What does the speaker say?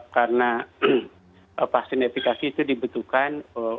karena vaksin efikasi itu dibutuhkan